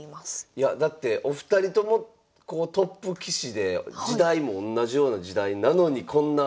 いやだってお二人ともトップ棋士で時代もおんなじような時代なのにこんな。